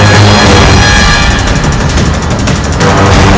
kanda tolong aku kanda